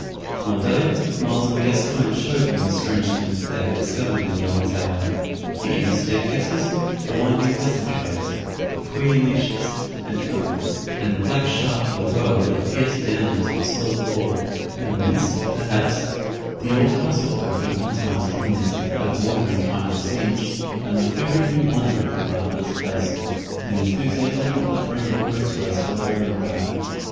One day Myles and Gascoyne showed them the strange things that they had discovered in the old tower the inner staircases, the winding passage ways, the queer niches and cupboard, and the black shaft of a well that pierced down into the solid wall, and whence, perhaps, the old castle folk had one time drawn their supply of water in time of siege, and with every new wonder of the marvellous place the enthusiasm of the three recruits rose higher and higher.